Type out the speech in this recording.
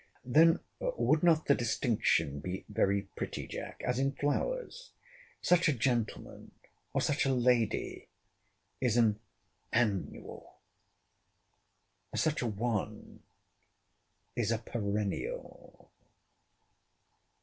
Then would not the distinction be very pretty, Jack? as in flowers;—such a gentleman, or such a lady, is an ANNUAL—such a one is a PERENNIAL.